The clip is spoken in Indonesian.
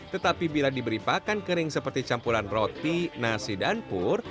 tetapi bila diberi pakan kering seperti campuran roti nasi dan pur